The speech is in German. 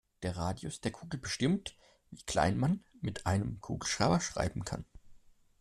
Der Radius der Kugel bestimmt, wie klein man mit einem Kugelschreiber schreiben kann.